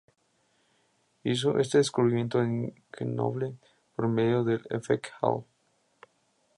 Hizo este descubrimiento en Grenoble, por medio del efecto Hall.